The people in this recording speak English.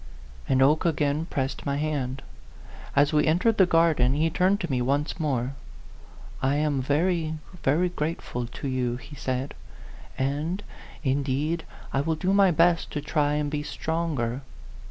And Oke again pressed iny hand. As we entered the garden, he turned to me once more. " I am very, very grateful to you," he said, "and, indeed, I will do my best to try and be stronger.